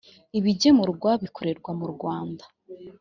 ibigemurwa bikorerwa mu rwanda.